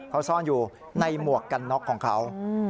เขาซ่อนอยู่ในหมวกกันน็อกของเขา